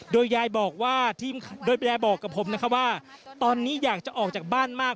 โดยยายบอกกับผมว่าตอนนี้อยากจะออกจากบ้านมาก